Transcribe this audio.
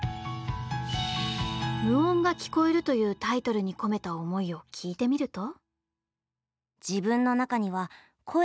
「無音が聴こえる」というタイトルに込めた思いを聞いてみると。